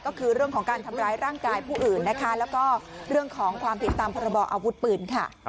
ก็คือเรื่องของการทำร้ายร่างกายผู้อื่นนะคะแล้วก็เรื่องของความผิดตามพรบออาวุธปืนค่ะ